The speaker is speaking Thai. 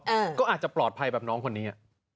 ก็อาจจะปลอดภัยแบบน้องคนนี้